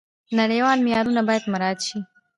نړیوال معیارونه باید مراعات شي.